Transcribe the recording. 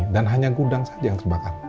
dan hanya gudang saja yang terbakar